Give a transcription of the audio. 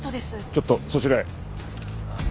ちょっとそちらへ。